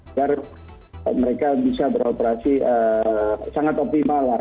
agar mereka bisa beroperasi sangat optimal lah